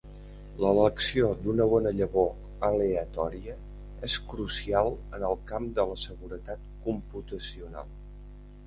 L'elecció d'una bona llavor aleatòria és crucial en el camp de la seguretat computacional.